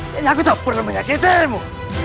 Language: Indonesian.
jadi aku tak perlu menyakitimu